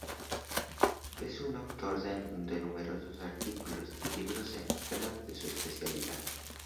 Es autor de numerosos artículos y libros en los temas de su especialidad.